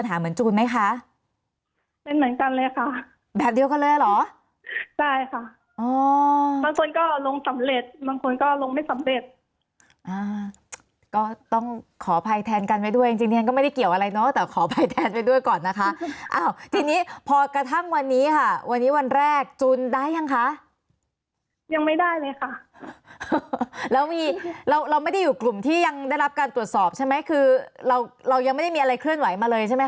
สำเร็จบางคนก็ลงไม่สำเร็จอ่าก็ต้องขอภัยแทนกันไว้ด้วยจริงจริงก็ไม่ได้เกี่ยวอะไรเนอะแต่ขอภัยแทนไปด้วยก่อนนะคะอ้าวทีนี้พอกระทั่งวันนี้ค่ะวันนี้วันแรกจูนได้ยังคะยังไม่ได้เลยค่ะแล้วมีเราเราไม่ได้อยู่กลุ่มที่ยังได้รับการตรวจสอบใช่ไหมคือเราเรายังไม่ได้มีอะไรเคลื่อนไหวมาเลยใช่ไ